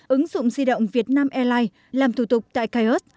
ứng dụng di động vietnam airline làm thủ tục tại cahos